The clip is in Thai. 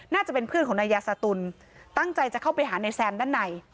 น่าจะเป็นเพื่อนของนายยาสตุลตั้งใจจะเข้าไปหานายแซมด้านใน